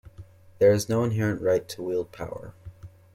There is no inherent right to wield power.